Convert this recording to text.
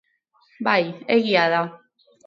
Bai, egia da.